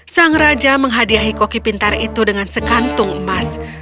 sang raja menghadiahi koki pintar itu dengan sekantung emas